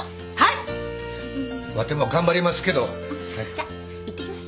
じゃあいってきます。